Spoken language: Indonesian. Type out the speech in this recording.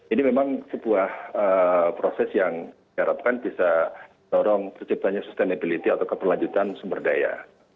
ini memang sebuah proses yang diharapkan bisa dorong terciptanya sustainability atau keberlanjutan sumber daya